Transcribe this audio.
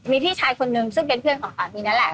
มีพี่ชายคนนึงซึ่งเป็นเพื่อนของสามีนั่นแหละ